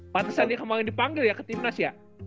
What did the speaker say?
pantesan dia kemarin dipanggil ya ke timnas ya